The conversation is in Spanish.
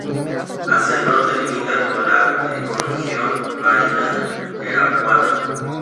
Hacia el norte limita con la ecorregión marina araucana.